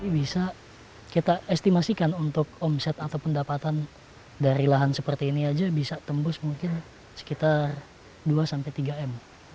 bisa kita estimasikan untuk omset atau pendapatan dari lahan seperti ini saja bisa tembus mungkin sekitar dua sampai tiga m